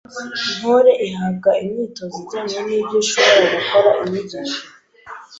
Ntore ihabwa imyitozo ijyanye n’ibyo ishobora gukora, inyigisho